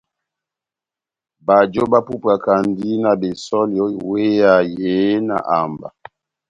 Bajo bapupwakandi na besὸli ó iweya yehé na amba.